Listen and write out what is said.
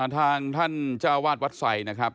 ทางท่านเจ้าวาดวัดไสนะครับ